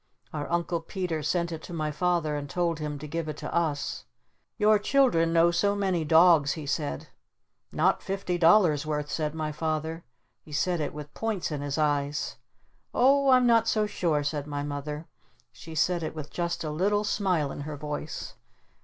Our Uncle Peter sent it to my Father and told him to give it to us. "Your children know so many dogs," he said. "Not fifty dollars' worth," said my Father. He said it with points in his eyes. "Oh I'm not so sure," said my Mother. She said it with just a little smile in her voice.